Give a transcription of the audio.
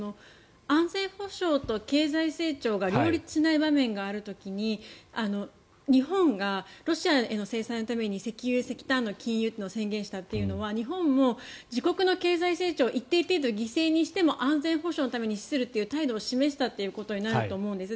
安全保障と経済成長が両立しない場面がある時に日本がロシアへの制裁のために石油、石炭の禁輸を宣言したというのは日本も自国の経済成長を一定程度、犠牲にしても安全保障のために資するという態度を示したことになると思うんです。